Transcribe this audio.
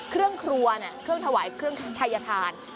คืองครัวเนี่ยถวายเครื่องทายทาน